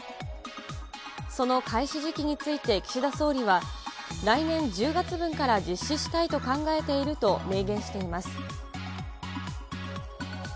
その開始時期について岸田総理は、来年１０月分から実施したいと考えていると明言しています。